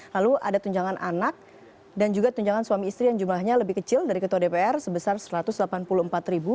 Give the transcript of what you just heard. lalu ada tunjangan anak dan juga tunjangan suami istri yang jumlahnya lebih kecil dari ketua dpr sebesar rp satu ratus delapan puluh empat ribu